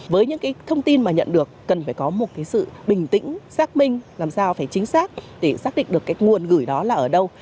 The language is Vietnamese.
với những cái thông tin mà nhận được cần phải có một cái sự bình tĩnh xác minh làm sao phải chính xác để xác định được cái nguồn gửi đó là ở đâu